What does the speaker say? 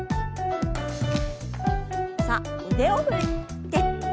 さあ腕を振って。